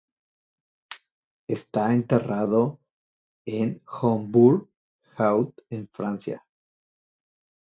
Está enterrado en Hombourg-Haut, en Francia.